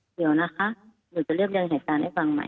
เดี๋ยวนะคะหนูจะเรียกเรื่องแห่งการให้ฟังใหม่